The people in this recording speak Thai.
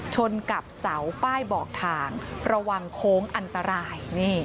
ชนกับเสาป้ายบอกทางระวังโค้งอันตราย